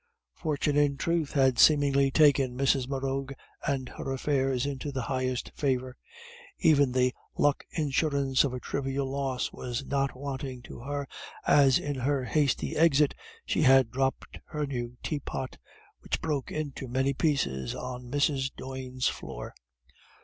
Fortune, in truth, had seemingly taken Mrs. Morrough and her affairs into the highest favour. Even the luck insurance of a trivial loss was not wanting to her, as in her hasty exit she had dropped her new teapot, which broke into many pieces on Mrs. Doyne's floor.